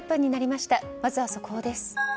まずは速報です。